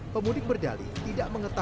pemudik berdali tidak menganggap